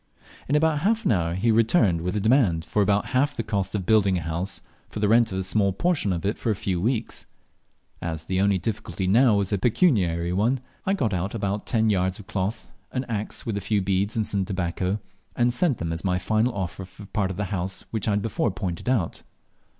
In about half an hour he returned with a demand for about half the cost of building a house, for the rent of a small portion of it for a few weeks. As the only difficulty now was a pecuniary one, I got out about ten yards of cloth, an axe, with a few beads and some tobacco, and sent them as my final offer for the part of the house which I had before pointed out.